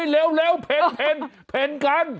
แล้วเขาบอกเอ้ยเห็นเห็นกัน